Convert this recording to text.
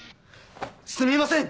すみません！